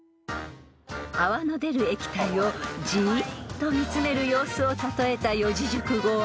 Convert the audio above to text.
［泡の出る液体をじっと見つめる様子を例えた四字熟語は］